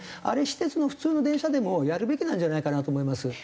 あれ私鉄の普通の電車でもやるべきなんじゃないかなと思います。